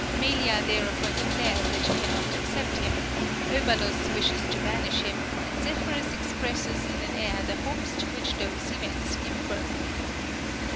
Melia thereupon declares that she cannot accept him, OEbalus wishes to banish him, and Zephyrus expresses in an air the hopes to which these {APOLLO ET HYACINTH US.} (61) events give birth.